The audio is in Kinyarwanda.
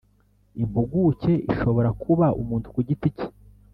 Impuguke ishobora kuba umuntu ku giti cye